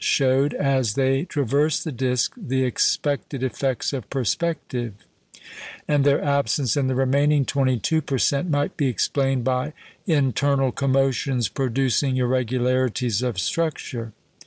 showed, as they traversed the disc, the expected effects of perspective; and their absence in the remaining 22 per cent. might be explained by internal commotions producing irregularities of structure.